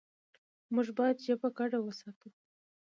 موږ باید ژبه ګډه وساتو.